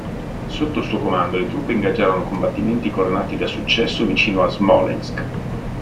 Sotto il suo comando le truppe ingaggiarono combattimenti coronati da successo vicino a Smolensk.